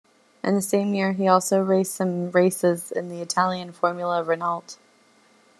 In the same year, he also raced some races in Italian Formula Renault.